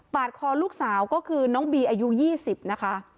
คอลูกสาวก็คือน้องบีอายุ๒๐นะคะ